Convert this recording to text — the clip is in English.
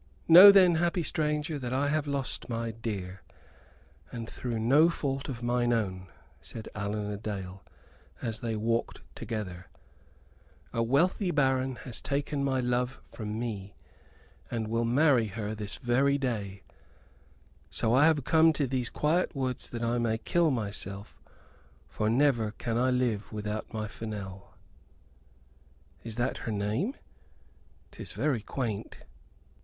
"Know then, happy stranger, that I have lost my dear, and through no fault of mine own," said Allan a Dale, as they walked together. "A wealthy baron has taken my love from me, and will marry her this very day; so I have come into these quiet woods that I may kill myself, for never can I live without my Fennel." "Is that her name? 'Tis very quaint."